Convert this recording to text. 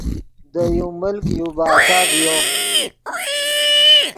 دے یو ملک یو باچہ ڤیو